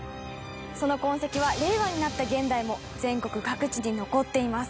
その痕跡は令和になった現代も全国各地に残っています。